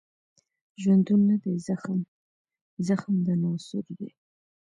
ژوندون نه دی زخم، زخم د ناسور دی